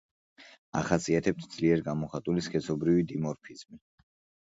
ახასიათებთ ძლიერ გამოხატული სქესობრივი დიმორფიზმი.